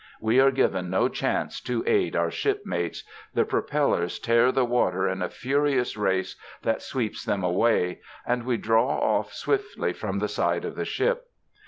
We are given no chance to aid our shipmates: the propellers tear the water in a furious race that sweeps them away, and we draw off swiftly from the side of the ship.